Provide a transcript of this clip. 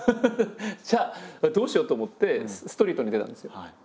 じゃあどうしよう？と思ってストリートに出たんですよ。